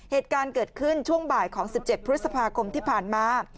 เหตุการณ์เกิดขึ้นช่วงบ่ายของ๑๗พฤษภาคมที่ผ่านมา